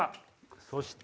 そして。